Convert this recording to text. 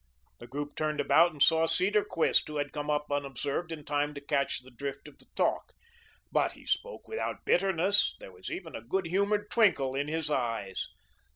The group turned about and saw Cedarquist, who had come up unobserved in time to catch the drift of the talk. But he spoke without bitterness; there was even a good humoured twinkle in his eyes.